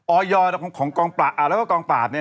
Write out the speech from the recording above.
ออยอของกองปะฤรษฎร์ด้วยกองปาด